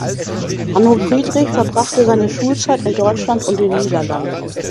Hanno Friedrich verbrachte seine Schulzeit in Deutschland und den Niederlanden.